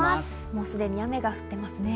もうすでに雨が降ってますね。